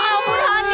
ya ampun ani